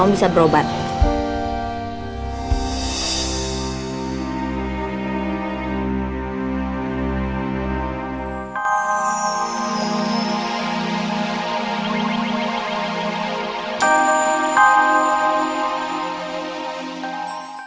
uang buat apa tante